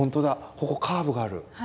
ここカーブがある。